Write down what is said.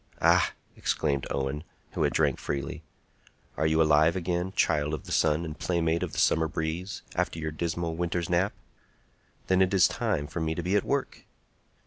"Ah," exclaimed Owen, who had drank freely, "are you alive again, child of the sun and playmate of the summer breeze, after your dismal winter's nap? Then it is time for me to be at work!"